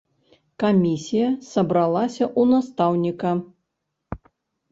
Камісія сабралася ў настаўніка.